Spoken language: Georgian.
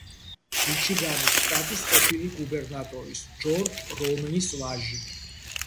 მიჩიგანის შტატის ყოფილი გუბერნატორის ჯორჯ რომნის ვაჟი.